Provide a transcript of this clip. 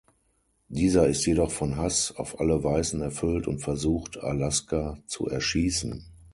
Dieser ist jedoch von Hass auf alle Weißen erfüllt und versucht "Alaska" zu erschießen.